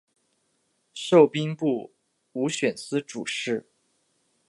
授兵部武选司主事。